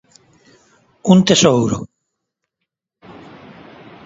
Un tesouro.